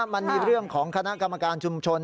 มันมีเรื่องของคณะกรรมการชุมชน